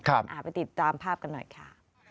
ไปติดตามภาพกันหน่อยค่ะ